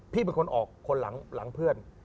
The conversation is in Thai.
พี่เป็นคนออกคนหลังเพื่อน